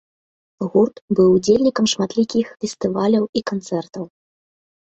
Гурт быў удзельнікам шматлікіх фестываляў і канцэртаў.